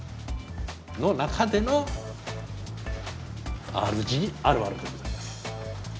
の中でのＲＧあるあるでございます。